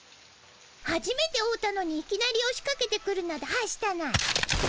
はじめて会うたのにいきなりおしかけてくるなどはしたない。